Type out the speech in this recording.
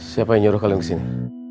siapa yang nyuruh kalian kesini